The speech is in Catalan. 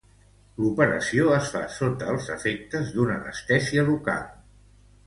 L'operació es fa sota els efectes d'una anestèsia local.